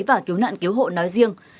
và cứu nạn cứu hộ nói riêng